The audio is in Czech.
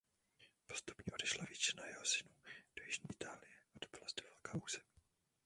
Postupně odešla většina jeho synů do jižní Itálie a dobyla zde velká území.